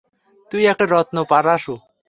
তুই একটা রত্ন, পারাসু্।